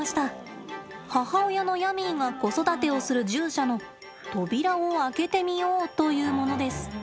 母親のヤミーが子育てをする獣舎の扉を開けてみようというものです。